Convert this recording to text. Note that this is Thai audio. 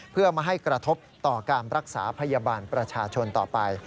เพื่อไม่ให้กระทบต่อการรักษาพยาบาลประชาชนต่อไป